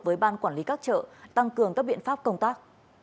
với ban quản lý các chợ tăng cường các biện pháp công tác